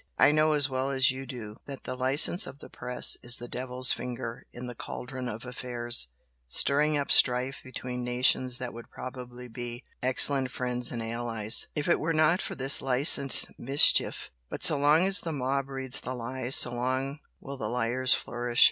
I know as well as you do that the license of the press is the devil's finger in the caldron of affairs, stirring up strife between nations that would probably be excellent friends and allies, if it were not for this 'licensed' mischief. But so long as the mob read the lies, so long will the liars flourish.